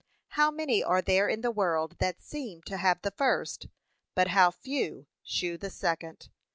How many are there in the world that seem to have the first, but how few shew the second.